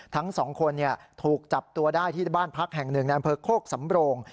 ทั้ง๒คนถูกจับตัวได้ที่บ้านพักแห่ง๑นโภกสำโรง